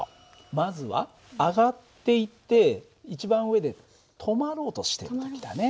まずは上がっていって一番上で止まろうとしてる時だね。